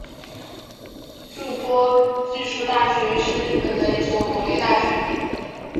筑波技术大学是日本的一所国立大学。